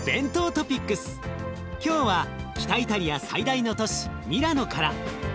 今日は北イタリア最大の都市ミラノから。